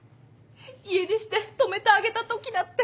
家出して泊めてあげたときだって。